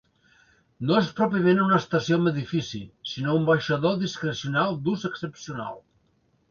No és pròpiament una estació amb edifici, sinó un baixador discrecional d'ús excepcional.